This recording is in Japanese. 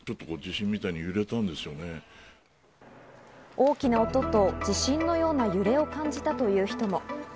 大きな音と地震のような揺れを感じたという人も。